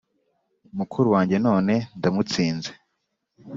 mukuru wanjye none ndamutsinze